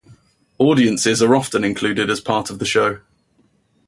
Audiences are often included as part of the show.